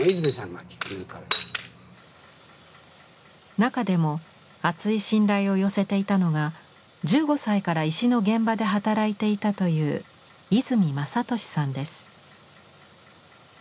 中でも厚い信頼を寄せていたのが１５歳から石の現場で働いていたという和泉正敏さんです。